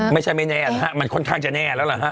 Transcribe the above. ไม่ใช่ไม่แน่นะฮะมันค่อนข้างจะแน่แล้วล่ะฮะ